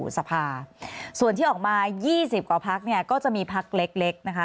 สภาส่วนที่ออกมา๒๐กว่าพักเนี่ยก็จะมีพักเล็กเล็กนะคะ